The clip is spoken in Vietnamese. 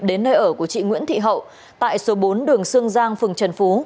đến nơi ở của chị nguyễn thị hậu tại số bốn đường sương giang phường trần phú